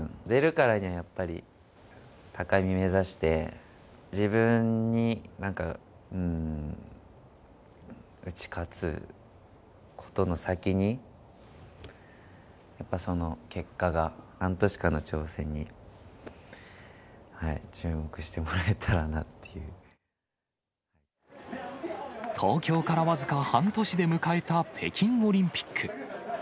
出るからにはやっぱり、高み目指して、自分になんか、打ち勝つことの先に、やっぱその結果が、半年間の挑戦に、注目してもらえたらなってい東京から僅か半年で迎えた北京オリンピック。